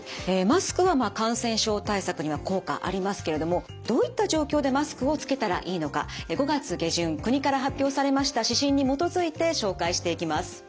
マスクは感染症対策には効果ありますけれどもどういった状況でマスクをつけたらいいのか５月下旬国から発表されました指針に基づいて紹介していきます。